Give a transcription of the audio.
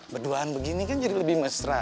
berduaan begini kan jadi lebih mesra